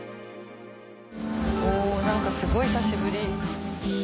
お何かすごい久しぶり。